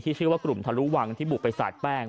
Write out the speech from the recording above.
ชื่อว่ากลุ่มทะลุวังที่บุกไปสาดแป้ง